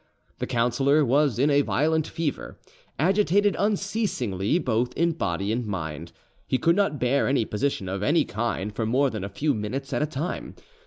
The councillor was in a violent fever, agitated unceasingly both in body and mind: he could not bear any position of any kind for more than a few minutes at a time.